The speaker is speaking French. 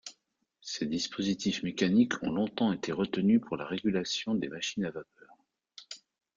Ces dispositifs mécaniques ont longtemps été retenus pour la régulation des machines à vapeur.